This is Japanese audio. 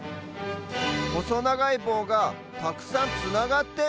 ほそながいぼうがたくさんつながってる？